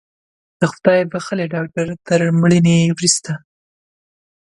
د خدای بښلي ډاکتر تر مړینې وروسته